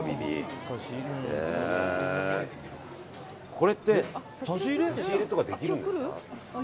これって差し入れとかできるんですか？